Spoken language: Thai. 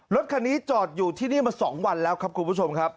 รถคันนี้จอดอยู่ที่นี่มา๒วันแล้วครับคุณผู้ชมครับ